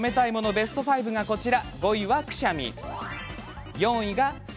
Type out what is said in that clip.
ベスト５がこちら。